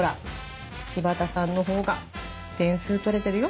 ほら柴田さんのほうが点数取れてるよ。